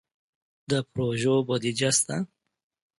د پروژو بودیجه شته؟